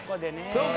そうか。